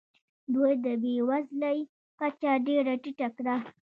دوی د بې وزلۍ کچه ډېره ټیټه کړه.